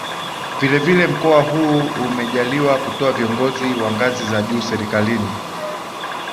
Vile vile Mkoa huu umejaliwa kutoa viongozi wa ngazi za juu Serikalini